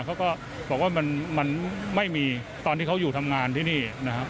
เขาก็บอกว่ามันไม่มีตอนที่เขาอยู่ทำงานที่นี่นะครับ